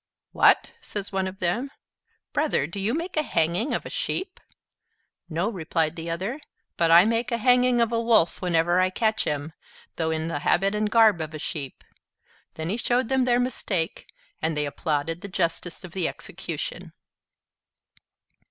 "What!" says one of them, "brother, do you make hanging of a sheep?" "No," replied the other, "but I make hanging of a Wolf whenever I catch him, though in the habit and garb of a sheep." Then he showed them their mistake, and they applauded the justice of the execution.